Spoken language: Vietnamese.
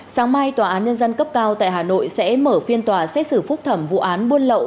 sáng mai tòa án nhân dân cấp cao tại hà nội sẽ mở phiên tòa xét xử phúc thẩm vụ án buôn lậu